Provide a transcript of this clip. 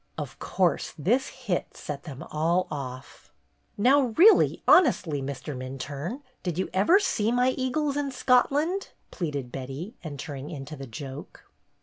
Of course this hit set them all off. "Now really, honestly, Mr. Minturne, did you ever see my eagles in Scotland ?" pleaded Betty, entering into the joke.